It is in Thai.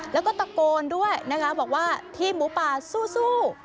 แล้วก็ตะโกนด้วยนะคะบอกว่าทีมหมูป่าสู้